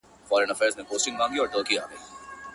سترگه وره مي په پت باندي پوهېږي.